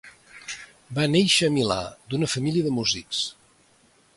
Va néixer a Milà d'una família de músics.